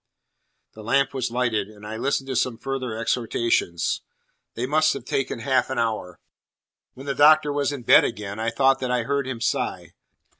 The lamp was lighted, and I listened to some further exhortations. They must have taken half an hour. When the Doctor was in bed again, I thought that I heard him sigh.